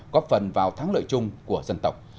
góp phần vào thắng lợi chung của dân tộc